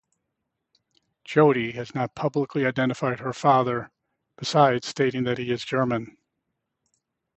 Jodhi has not publicly identified her father, besides stating he is German.